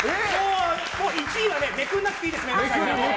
もう１位はめくらなくていいです！